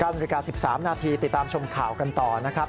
นาฬิกา๑๓นาทีติดตามชมข่าวกันต่อนะครับ